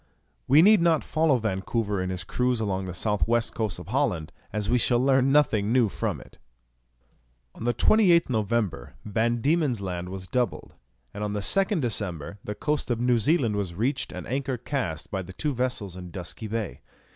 We need not follow Vancouver in his cruise along the south west coast of Holland, as we shall learn nothing new from it. On the 28th November Van Diemen's Land was doubled, and on the 2nd December the coast of New Zealand was reached and anchor cast by the two vessels in Dusky Bay.